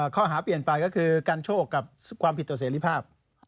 ข้อหาเปลี่ยนไปก็คือการโชคกับความผิดต่อเสรีภาพ